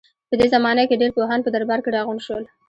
په دې زمانه کې ډېر پوهان په درباره کې راغونډ شول.